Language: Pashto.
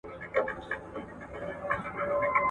زه پرون د کتابتون کتابونه لوستل کوم؟